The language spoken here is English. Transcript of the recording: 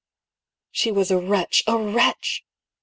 " She was — a wretch, a wretch